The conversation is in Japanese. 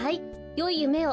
よいゆめを。